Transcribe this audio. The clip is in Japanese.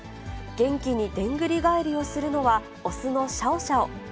元気にでんぐり返りをするのは、雄のシャオシャオ。